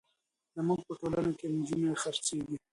زموږ په ټولنه کې نجونې خرڅېږي.